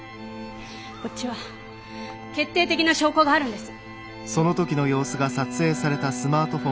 こっちは決定的な証拠があるんです。